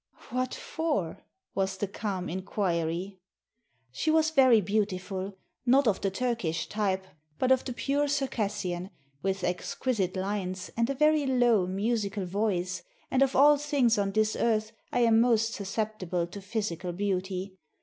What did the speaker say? "What for?" was the calm inquiry. She was very beautiful; not of the Turkish type, but of the pure Circassian, with exquisite lines and a very S8i TURKEY low, musical voice, and of all things on this earth I am most susceptible to physical beauty.